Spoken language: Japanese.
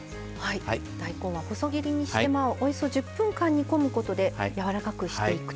大根は細切りにしておよそ１０分間煮込むことでやわらかくしていくと。